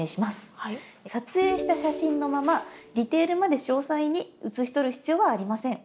撮影した写真のままディテールまで詳細に写しとる必要はありません。